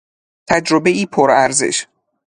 تجربهای پر ارزش